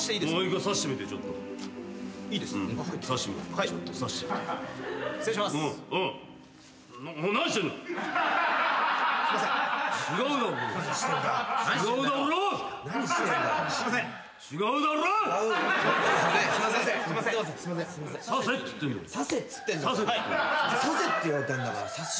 させって言われたんだからさしなよ。